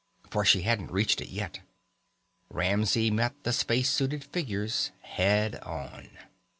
For she hadn't reached it yet. Ramsey met the space suited figures head on.